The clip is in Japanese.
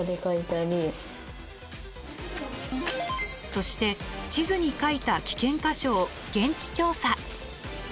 そして地図に書いた危険箇所を現地調査。